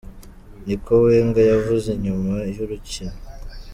" ni ko Wenger yavuze inyuma y'urukino.